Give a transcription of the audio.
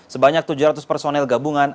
sebanyak tujuh ratus personel gabungan